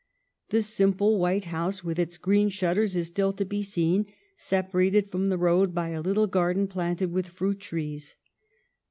The simple white house, with its green shutters, is still to be seen, separated from the road by a little garden planted with fruit trees.